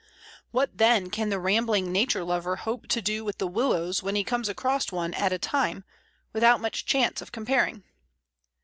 What, then, can the rambling nature lover hope to do with the Willows he comes across one at a time, without much chance of comparing?